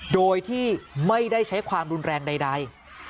โดยที่ไม่ได้ใช้ความรุนแรงใด